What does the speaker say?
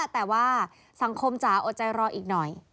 แต่ว่าสังคมจ๋าอดใจรออีกหน่อย